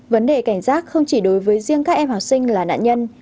vấn đề cảnh giác không chỉ đối với riêng các em học sinh là nạn nhân